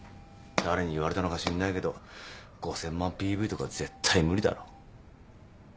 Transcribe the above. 誰に言われたのか知んないけど５，０００万ＰＶとか絶対無理だろ。